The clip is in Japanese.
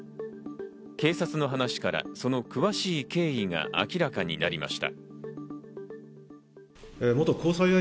警察の話からその詳しい経緯が明らかになりました。